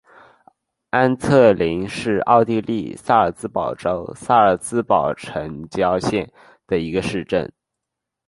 安特灵是奥地利萨尔茨堡州萨尔茨堡城郊县的一个市镇。